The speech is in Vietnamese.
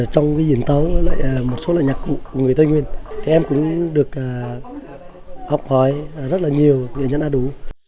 trong diễn tấu một số loại nhạc cụ của người tây nguyên thì em cũng được học hỏi rất là nhiều nghệ nhân a đủ